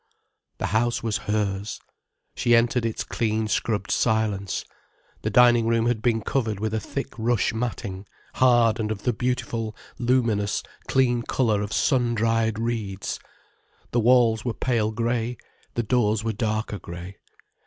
The house was hers. She entered its clean scrubbed silence. The dining room had been covered with a thick rush matting, hard and of the beautiful, luminous, clean colour of sun dried reeds. The walls were pale grey, the doors were darker grey.